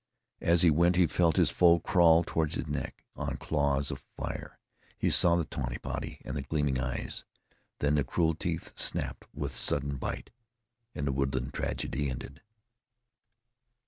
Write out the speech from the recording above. As he went he felt his foe crawl toward his neck on claws of fire; he saw the tawny body and the gleaming eyes; then the cruel teeth snapped with the sudden bite, and the woodland tragedy ended.